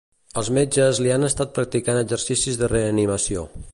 Els metges li han estat practicant exercicis de reanimació.